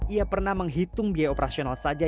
ia pernah menghitung biaya operasional saja